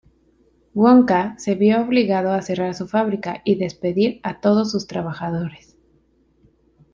Wonka se vio obligado a cerrar su fábrica y despedir a todos sus trabajadores.